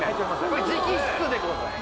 これ直筆でございます